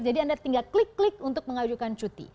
jadi anda tinggal klik klik untuk mengajukan cuti